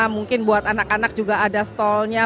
mungkin buat anak anak juga ada stall nya